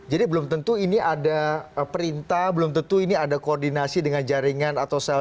jadi belum tentu ini ada perintah belum tentu ini ada koordinasi dengan jaringan atau sel sel